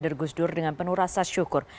kader gusdur dengan penuh rasa syukur